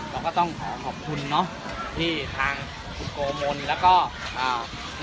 เราก็ต้องขอขอบคุณเนอะที่ทางคุณโกมนแล้วก็อ่า